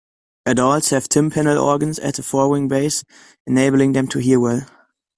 Adults have tympanal organs at the forewings' base, enabling them to hear well.